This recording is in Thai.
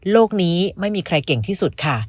นี้ไม่มีใครเก่งที่สุดค่ะ